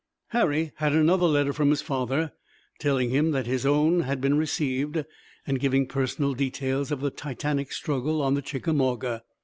Harry had another letter from his father, telling him that his own had been received, and giving personal details of the titanic struggle on the Chickamauga.